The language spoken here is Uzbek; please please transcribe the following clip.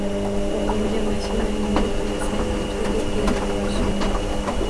O`g`limga mashinani nima qilsang qil deb berib yuborishadi